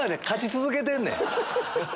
勝ち続けてんねん！